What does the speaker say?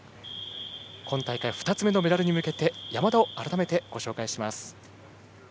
今大会２つ目のメダルに向けて山田を改めてご紹介します。